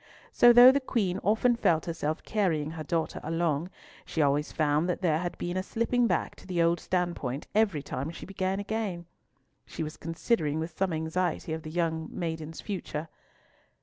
So, though the Queen often felt herself carrying her daughter along, she always found that there had been a slipping back to the old standpoint every time she began again. She was considering with some anxiety of the young maiden's future.